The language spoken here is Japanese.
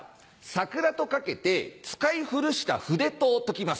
桜と掛けて使い古した筆と解きます。